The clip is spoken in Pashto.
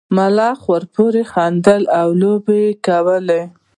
ملخ ورپورې خندل او لوبې یې کولې.